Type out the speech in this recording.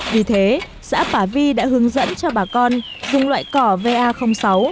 vì thế xã bà vi đã hướng dẫn cho bà con dùng loại cỏ va sáu